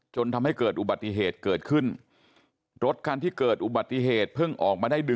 จนทำให้เกิดอุบัติเหตุเกิดขึ้นรถคันที่เกิดอุบัติเหตุเพิ่งออกมาได้เดือน